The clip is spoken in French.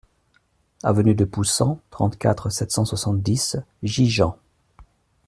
Avenue de Poussan, trente-quatre, sept cent soixante-dix Gigean